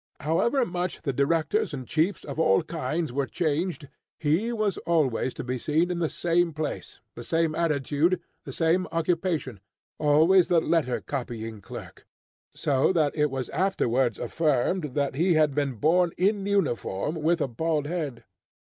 However much the directors and chiefs of all kinds were changed, he was always to be seen in the same place, the same attitude, the same occupation always the letter copying clerk so that it was afterwards affirmed that he had been born in uniform with a bald head.